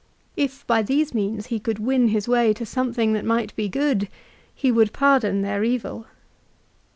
If by these means he could win his way to something that might be good he would pardon their evil.